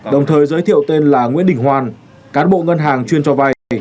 đồng thời giới thiệu tên là nguyễn đình hoan cán bộ ngân hàng chuyên cho vay này